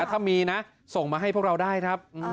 ถ้ามีนะส่งมาให้พวกเราได้ครับ